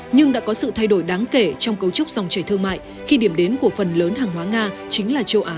nhưng đã có sự thay đổi đáng kể trong cấu trúc dòng chảy thương mại khi điểm đến của phần lớn hàng hóa nga chính là châu á